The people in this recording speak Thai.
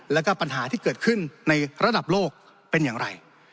แล้วก็ปัญหาที่เกิดขึ้นในระดับโลกเป็นอย่างไร